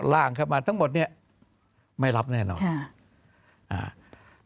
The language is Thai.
ล่างเข้ามาทั้งหมดเนี่ยไม่รับแน่นอนครับ